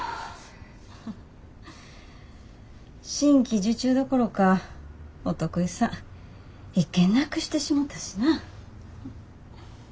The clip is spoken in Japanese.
新規受注どころかお得意さん１件なくしてしもたしな。